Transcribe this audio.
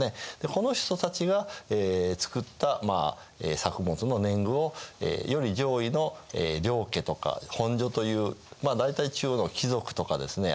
この人たちが作った作物の年貢をより上位の領家とか本所というまあ大体中央の貴族とかですね